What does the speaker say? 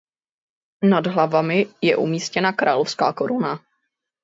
Nad hlavami je umístěna královská koruna.